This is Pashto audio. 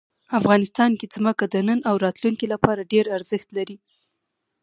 افغانستان کې ځمکه د نن او راتلونکي لپاره ډېر ارزښت لري.